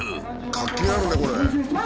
活気があるねこれ。